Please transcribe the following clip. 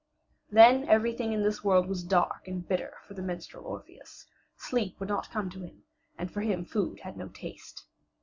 Then everything in this world was dark and bitter for the minstrel Orpheus; sleep would not come to him, and for him food had no taste.